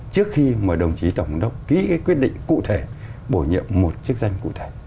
trước khi mời đồng chí tổng đốc ký cái quyết định cụ thể bổ nhiệm một chức danh cụ thể